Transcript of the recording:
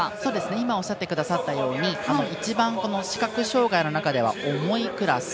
今、おっしゃってくださったように一番視覚障がいの中では重いクラス。